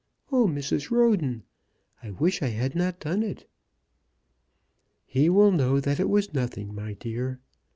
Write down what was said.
Oh, Mrs. Roden, I wish I had not done it." "He will know that it was nothing, my dear.